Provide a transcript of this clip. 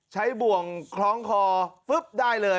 ใช้บ่วงคล้องคอได้เลย